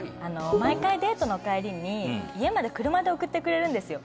毎回デートの帰りに家まで車で送ってくれるんですよ